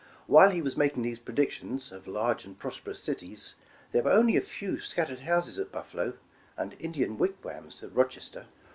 While he was making these predictions of large and prosperous cities, there were only a few scattered houses at Buffalo, and Indian wigwams at Rochester.